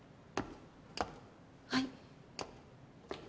はい。